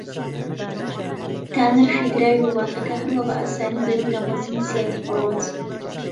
تا نرخی دراوی وڵاتەکە هەروا بە ئاسانی بەرەو دابەزینی زیاتر بڕوات